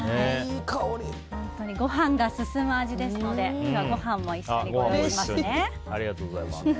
ご飯が進む味ですのでご飯も一緒にご用意しますね。